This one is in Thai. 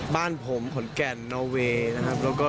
บ้านผมของแก่นเนวเวร์นะครับ